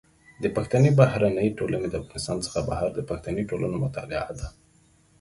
د پښتني بهرنۍ ټولنه د افغانستان څخه بهر د پښتني ټولنو مطالعه ده.